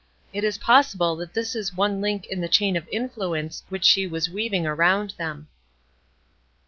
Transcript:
It is possible that this is one link in the chain of influence which she was weaving around them.